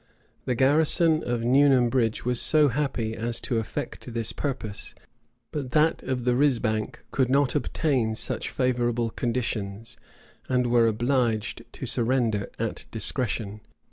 The garrison of Newnam Bridge was so happy as to effect this purpose; but that of the risbank could not obtain such favorable conditions, and were obliged to surrender at discretion.